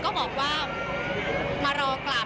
ตอนนี้เป็นครั้งหนึ่งครั้งหนึ่ง